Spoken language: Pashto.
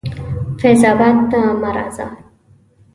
فیض آباد ته مه راځه.